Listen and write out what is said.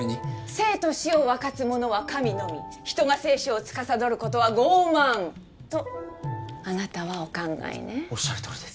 生と死を分かつ者は神のみ人が生死をつかさどることは傲慢とあなたはお考えねおっしゃるとおりです